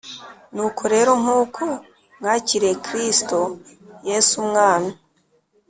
Nuko rero nk uko mwakiriye kristo yesu umwami